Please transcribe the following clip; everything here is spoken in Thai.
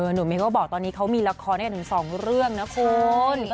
มิ้นก็บอกตอนนี้เขามีละครด้วยกันถึง๒เรื่องนะคุณ